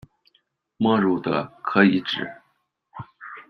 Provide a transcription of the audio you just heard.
莫如德可以指：